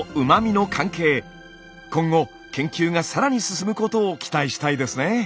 今後研究が更に進むことを期待したいですね。